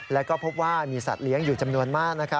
แล้วก็พบว่ามีสัตว์เลี้ยงอยู่จำนวนมาก